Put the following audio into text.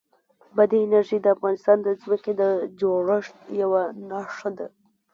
بادي انرژي د افغانستان د ځمکې د جوړښت یوه نښه ده.